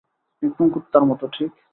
একদম কুত্তার মতো ঠিক।